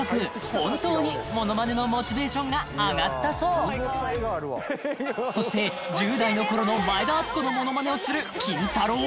ホントにモノマネのモチベーションが上がったそうそして１０代の頃の前田敦子のモノマネをするキンタロー。